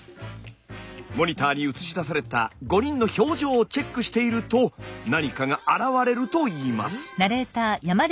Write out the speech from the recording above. モニターに映し出された５人の表情をチェックしていると何かがあらわれるといいます。